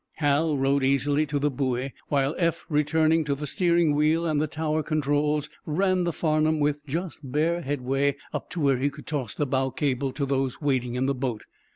Hal rowed easily to the buoy, while Eph, returning to the steering wheel and the tower controls, ran the "Farnum," with just bare headway, up to where he could toss the bow cable to those waiting in the boat.